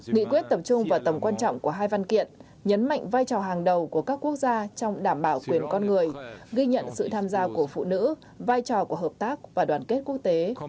nghị quyết tập trung vào tầm quan trọng của hai văn kiện nhấn mạnh vai trò hàng đầu của các quốc gia trong đảm bảo quyền con người ghi nhận sự tham gia của phụ nữ vai trò của hợp tác và đoàn kết quốc tế